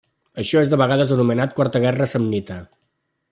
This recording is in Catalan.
Això és de vegades anomenat Quarta guerra samnita.